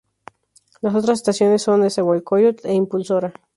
Las otras estaciones son: Nezahualcóyotl e Impulsora.